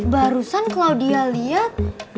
barusan claudia liat